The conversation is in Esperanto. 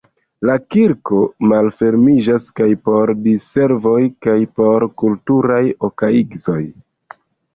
La kirko malfermiĝas kaj por diservoj kaj por kulturaj okaigzoj.